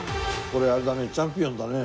これあれだねチャンピオンだね。